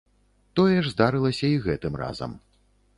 Тое ж здарылася і гэтым разам.